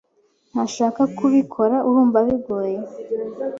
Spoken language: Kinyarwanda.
Ntashaka kubikora arumva bigoye